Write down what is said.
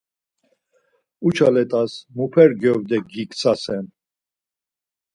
Uça let̆as muper gyovde giktsasen.